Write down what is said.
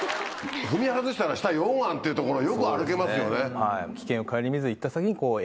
踏み外したら下溶岩っていう所よく歩けますよね。